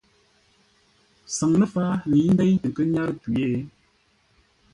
Saŋ ləfǎa lə̌i ndéi tə nkə́ nyárə́ tû yé.